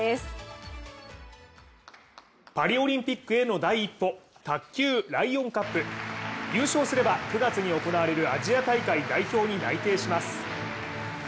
パリオリンピックへの第一歩、卓球ＬＩＯＮカップ優勝すれば９月に行われるアジア大会代表に認定します。